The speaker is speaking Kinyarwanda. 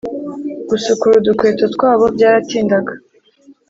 gusukura udukweto twabo byaratindaga